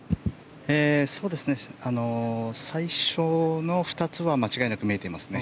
最初の２つは間違いなく見えていますね。